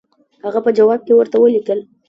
هغه په جواب کې ورته ولیکل.